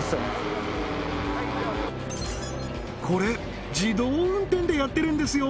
これ自動運転でやってるんですよ